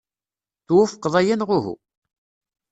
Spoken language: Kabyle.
Twufqeḍ aya neɣ uhu?